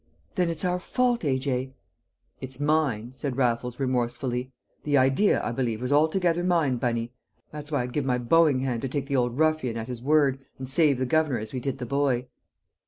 "Then it's our fault, A.J.?" "It's mine," said Raffles remorsefully. "The idea, I believe, was altogether mine, Bunny; that's why I'd give my bowing hand to take the old ruffian at his word, and save the governor as we did the boy!"